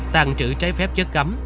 tàn trữ trái phép chất cấm